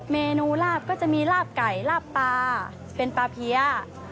เมนูลาบก็จะมีลาบไก่ลาบปลาเป็นปลาเพี้ย